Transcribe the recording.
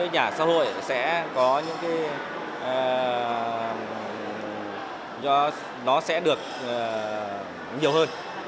nhà xã hội nó sẽ được nhiều hơn